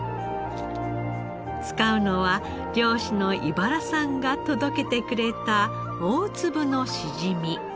使うのは漁師の井原さんが届けてくれた大粒のしじみ。